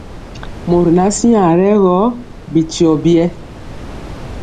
Mɔri ŋan siaŋg rɛ gɔ, bityio biɛɛ.